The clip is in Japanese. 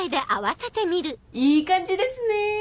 いい感じですねぇ。